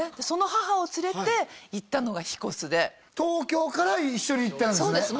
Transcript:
その母を連れて行ったのがヒコスで東京から一緒に行ったんですね